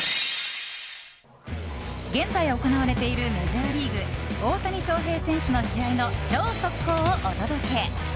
現在、行われているメジャーリーグ大谷翔平選手の試合を超速攻お届け。